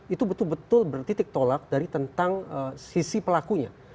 itu betul betul bertitik tolak dari tentang sisi pelakunya